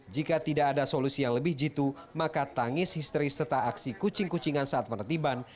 jika tidak ada solusi yang lebih jitu maka tangis histeris serta aksi kucing kucingan saat penertiban